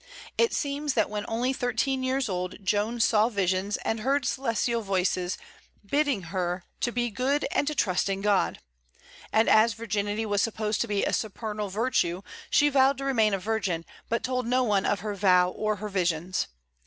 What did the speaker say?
It seems that when only thirteen years old Joan saw visions, and heard celestial voices bidding her to be good and to trust in God; and as virginity was supposed to be a supernal virtue, she vowed to remain a virgin, but told no one of her vow or her visions.